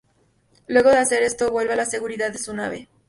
Luego de hacer esto, vuelve a la seguridad de su nave.